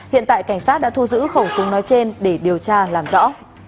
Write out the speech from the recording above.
hiện tại cảnh sát đã thu giữ khẩu súng nói trên để điều tra làm rõ